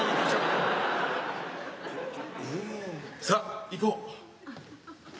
さあ行こう。